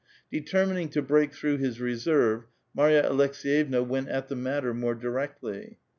Determining to break through his reserve, Marva Aleks^vevna went at the matter more diroctlv.